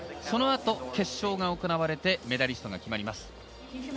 その後、決勝が行われてメダリストが決まります。